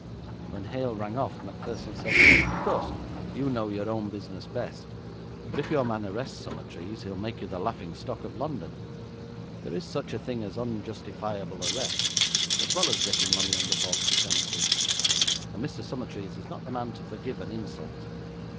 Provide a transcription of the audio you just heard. When Hale rang off, Macpherson said, 'Of course you know your own business best, but if your man arrests Summertrees, he will make you the laughing stock of London. There is such a thing as unjustifiable arrest, as well as getting money under false pretences, and Mr. Summertrees is not the man to forgive an insult.